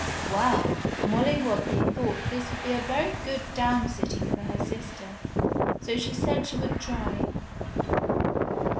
Well ! Molly Whuppie thought this would be a very good downsitting for her sister, so she said she would try.